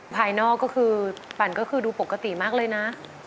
ภายนอกก็คือปั่นก็คือดูปกติมากเลยนะ